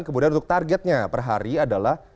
kemudian untuk targetnya per hari adalah